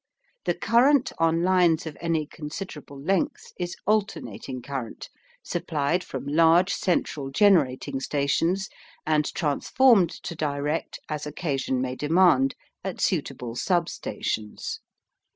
The current on lines of any considerable length is alternating current, supplied from large central generating stations and transformed to direct as occasion may demand at suitable sub stations.